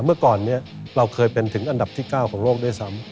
เมื่อก่อนนี้เราเคยเป็นถึงอันดับที่๙ของโลกด้วยซ้ำ